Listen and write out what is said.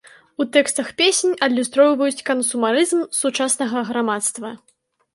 У тэкстах песень адлюстроўваюць кансумарызм сучаснага грамадства.